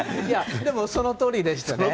でもそのとおりでしてね。